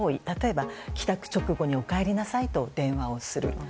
例えば、帰宅直後におかえりなさいと電話をする。